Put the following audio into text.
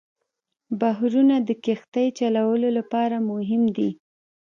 بحرونه د کښتۍ چلولو لپاره مهم دي.